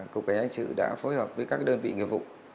cục cảnh sự đã phối hợp với các đơn vị nghiệp vụ